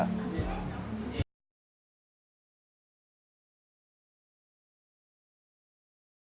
jangan lupa untuk berlangganan